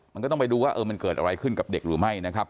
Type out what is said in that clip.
มันก็ต้องไปดูว่ามันเกิดอะไรขึ้นกับเด็กหรือไม่นะครับ